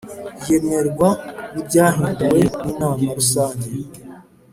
Iyemerwa ry’ibyahinduwe n’ inama rusange